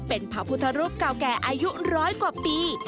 เป็นพระพุทธรูปเก่าแก่อายุร้อยกว่าปี